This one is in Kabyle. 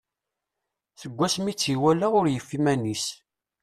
Seg wasmi i tt-iwala ur yufi iman-is.